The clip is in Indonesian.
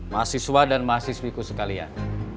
mahasiswa dan mahasiswiku sekalian